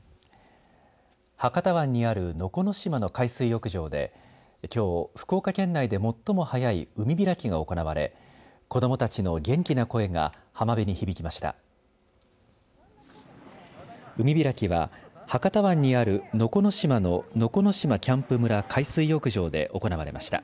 博多湾にある能古島の海水浴場できょう福岡県内で最も早い海開きが行われ子どもたちの元気な声が浜辺に響きました。